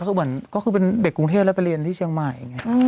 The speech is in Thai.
แต่เขาเป็นเด็กกรุงเทศแล้วไปเรียนที่เชียงใหม่